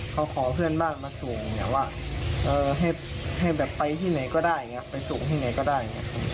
เขาขอเพื่อนบ้านมาส่งให้ไปที่ไหนก็ได้ไปส่งที่ไหนก็ได้